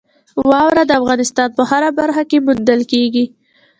واوره د افغانستان په هره برخه کې موندل کېږي.